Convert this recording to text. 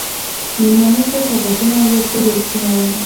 میلمنو ته سوغاتونه او یادګاري عکسونه و.